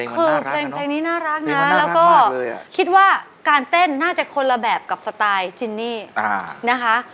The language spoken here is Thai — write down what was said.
คือเพลงนี้น่ารักนะแล้วก็คิดว่าการเต้นน่าจะคนละแบบกับสไตล์จินนี่นะคะ